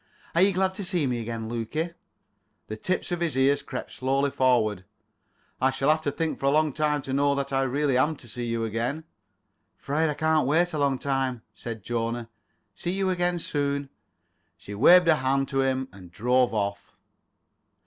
Are you glad to see me again, Lukie?" The tips of his ears crept slowly forward. "I shall have to think for a long time to know that I really am to see you again." [Pg 22]"'Fraid I can't wait a long time," said Jona. "See you again soon." She waved her hand to him and drove off.